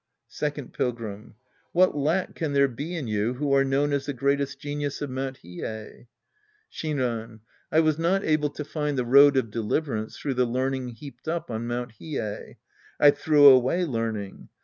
Second Pilgrim. What lack can there be in you who are known as the greatest genius of Mt. Hiei ? Shinran. \ was not able to find the road of deliv erance through the learning heaped up on Mt. Hiei. I threw away learning.